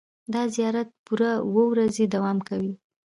دا زیارت پوره اوه ورځې دوام کوي.